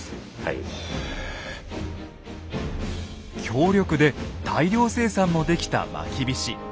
強力で大量生産もできたまきびし。